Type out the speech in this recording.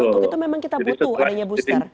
untuk itu memang kita butuh adanya booster